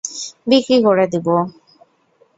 বিক্রি করে দিব।